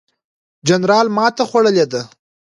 جنرال ماته خوړلې ده.